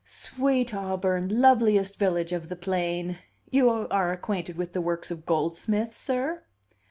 "'Sweet Auburn, loveliest village of the plain!' You are acquainted with the works of Goldsmith, sir?"